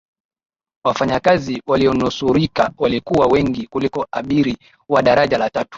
wafanyakazi waliyonusurika walikuwa wengi kuliko abiri wa daraja la tatu